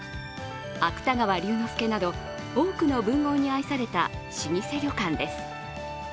芥川龍之介など多くの文豪に愛された老舗旅館です。